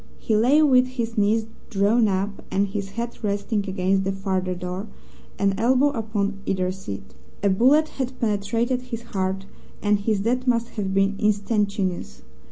He lay with his knees drawn up, and his head resting against the farther door, an elbow upon either seat. A bullet had penetrated his heart and his death must have been instantaneous.